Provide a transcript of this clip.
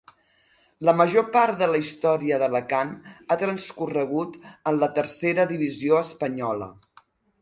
La major part de la història de l'Alacant ha transcorregut en Tercera divisió espanyola.